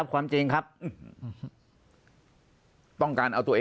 ปากกับภาคภูมิ